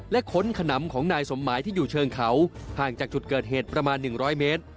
และค้นขนำของนายสมหมายที่อยู่เชิงเขาห่างจากจุดเกิดเหตุประมาณ๑๐๐เมตร